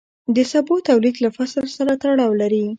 د سبو تولید له فصل سره تړاو لري.